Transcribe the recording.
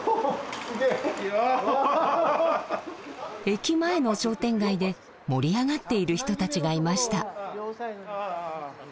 駅前の商店街で盛り上がっている人たちがいました。